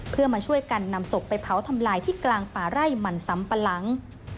เพื่อมาช่วยกันนำสบไปเผาทำลายที่กลางปาร้ายมันซ้ำปลัลหลัง